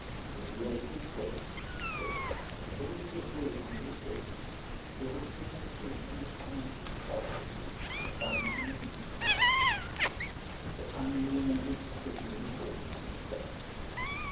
If the old woodwork (he thought) would only give way under his weight, there would be an escape from the coming catastrophe, found in an instant. A timely remembrance of Sydney recalled him to himself.